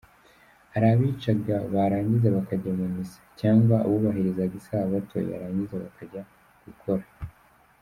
Hari abicaga barangiza bakajya mu misa, cyangwa abubahirizaga Isabato yarangira bakajya “gukora”.